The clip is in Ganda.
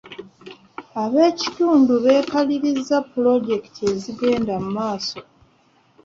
Ab'ekitundu beekaliriza pulojekiti ezigenda maaso.